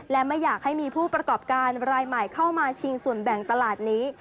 และไม่อยากให้มีผู้ประกอบการรายใหม่เข้ามาชิงส่วนแบ่งตลาดนี้